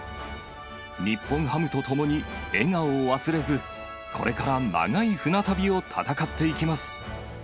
日本ハムと共に、笑顔を忘れず、これから長い船旅を戦っていきます。